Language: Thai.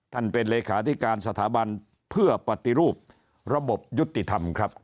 เป็นเลขาธิการสถาบันเพื่อปฏิรูประบบยุติธรรมครับ